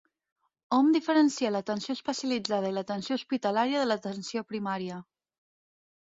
Hom diferencia l'atenció especialitzada i l'atenció hospitalària de l'atenció primària.